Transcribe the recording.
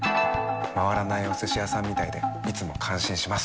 回らないお寿司屋さんみたいでいつも感心します。